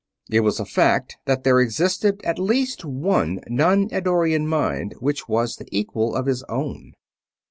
It was a fact that there existed at least one non Eddorian mind which was the equal of his own.